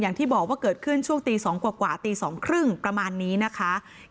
อย่างที่บอกว่าเกิดขึ้นช่วงตี๒กว่าตี๒๓๐ประมาณนี้นะคะ